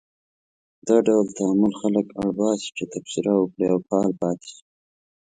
دا ډول تعامل خلک اړ باسي چې تبصره وکړي او فعال پاتې شي.